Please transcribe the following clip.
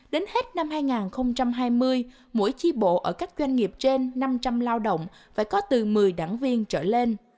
đến hết năm hai nghìn hai mươi mỗi chi bộ ở các doanh nghiệp trên năm trăm linh lao động phải có từ một mươi đảng viên trở lên